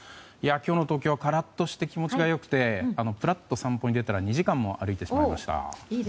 今日の東京はカラッとして気持ちが良くてぷらっと散歩に出たら２時間も歩いてしまいました。